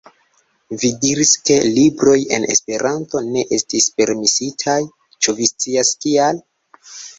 Vi diris, ke libroj en Esperanto ne estis permesitaj, ĉu vi scias, kial?